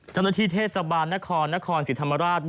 เจ้าหน้าที่เทศบาลนครนครศรีธรรมราช